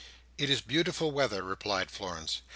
"It is beautiful weather," replied Florence.